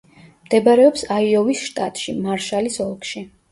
მდებარეობს აიოვის შტატში, მარშალის ოლქში.